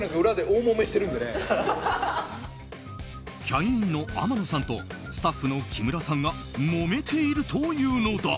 キャインの天野さんとスタッフの木村さんがもめているというのだ。